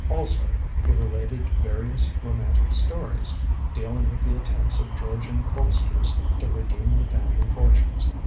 Also, he related various romantic stories dealing with the attempts of Georgian Colpsters to redeem the family fortunes.